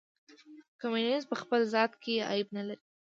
کمونیزم په خپل ذات کې عیب نه لري.